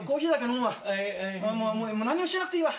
もう何にもしなくていいわ。